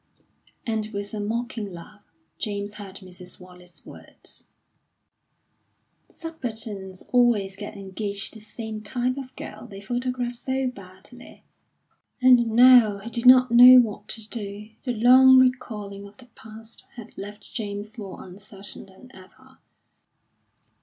And with a mocking laugh, James heard Mrs. Wallace's words: "Subalterns always get engaged to the same type of girl. They photograph so badly." And now he did not know what to do. The long recalling of the past had left James more uncertain than ever.